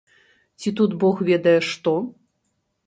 Ці тут бог ведае што?!.